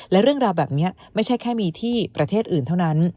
และเรื่องราวแบบนี้ไม่ใช่แค่มีที่ประเทศอื่นเท่านั้น